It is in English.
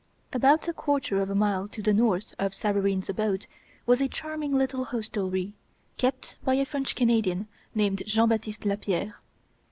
About a quarter of a mile to the north of Savareen's abode was a charming little hostelry, kept by a French Canadian named Jean Baptiste Lapierre.